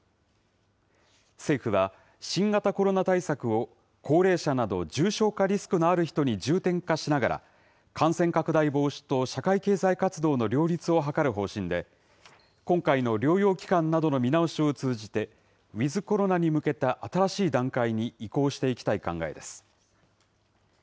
政府は、新型コロナ対策を高齢者など重症化リスクのある人に重点化しながら、感染拡大防止と社会経済活動の両立を図る方針で、今回の療養期間などの見直しを通じて、ウィズコロナに向けた新しい段階に移行していきたい考えです。